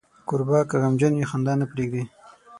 کوربه که غمجن وي، خندا نه پرېږدي.